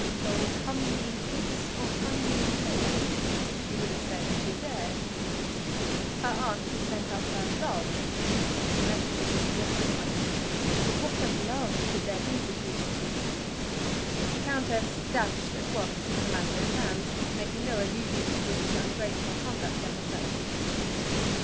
"Oh, come ye in peace, or come ye in war?" she would have said had she dared. Her aunt had sent up her love, if the message had been delivered aright; but what of love could there be between the two? The countess dashed at once to the matter in hand, making no allusion to Lizzie's ungrateful conduct to herself.